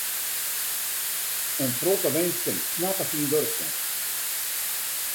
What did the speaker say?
In protte minsken snappe syn wurk net.